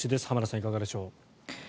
浜田さん、いかがでしょう。